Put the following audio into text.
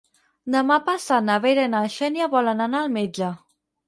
Demà passat na Vera i na Xènia volen anar al metge.